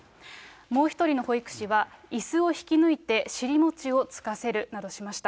もう一人の保育士は、いすを引き抜いて尻餅をつかせるなどしました。